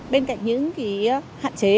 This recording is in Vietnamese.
bên cạnh những cái hạn chế